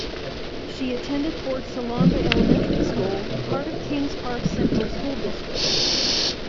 She attended Fort Salonga Elementary School, part of Kings Park Central School District.